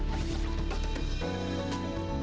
jadi saya merasa sangat buruk